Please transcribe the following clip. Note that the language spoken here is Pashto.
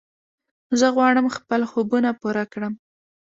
زه غواړم خپل خوبونه پوره کړم.